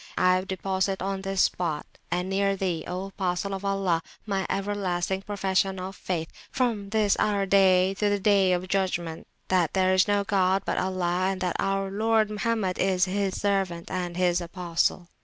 I deposit on this spot, and near Thee, O Apostle of God, my everlasting Profession (of faith) from this our Day, to the Day of Judgment, that there is no god but Allah, and that our Lord Mohammed is His Servant and His Apostle.